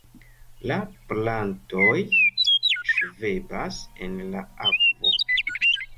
La plantoj ŝvebas en la akvo.